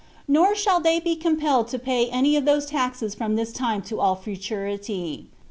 Nor shall they be compelled to pay any of those taxes from this time to all futurity.